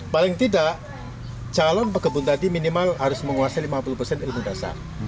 paling tidak calon pekebun tadi minimal harus menguasai lima puluh persen ilmu dasar